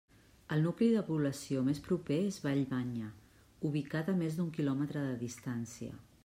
El nucli de població més proper és Vallmanya, ubicat a més d'un quilòmetre de distància.